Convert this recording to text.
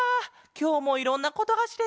きょうもいろんなことがしれた！